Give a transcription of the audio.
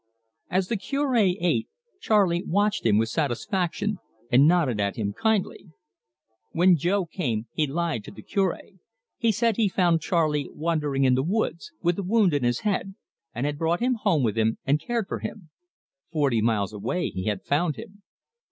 As the Cure ate, Charley watched him with satisfaction, and nodded at him kindly. When Jo came he lied to the Cure. He said he had found Charley wandering in the woods, with a wound in his head, and had brought him home with him and cared for him. Forty miles away he had found him.